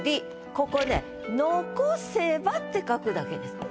ここね「残せば」って書くだけです。